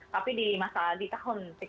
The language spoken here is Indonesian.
tapi di tahun